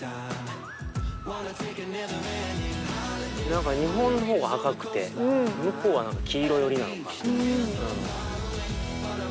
何か日本のほうが赤くて向こうは黄色寄りなのかな。